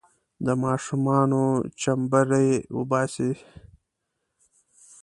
د ماشومانو چمبړې وباسي.